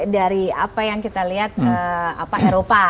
dari apa yang kita lihat eropa